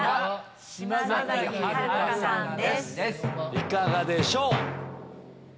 いかがでしょう？